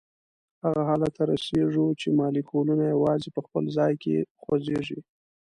هغه حالت ته رسیږو چې مالیکولونه یوازي په خپل ځای کې خوځیږي.